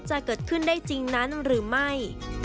จะเกิดขึ้นได้จริงนั้นหรือไม่